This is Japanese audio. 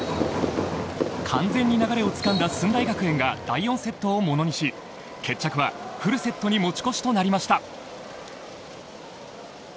完全に流れをつかんだ駿台学園が第４セットを物にし決着はフルセットに持ち越しとなりました。